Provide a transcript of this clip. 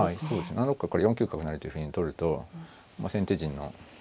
７六角から４九角成というふうに取ると先手陣の。